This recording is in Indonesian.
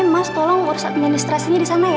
mas tolong urus administrasinya di sana ya